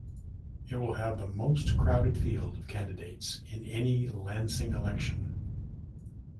It will have the most crowded field of candidates in any Lansing Election.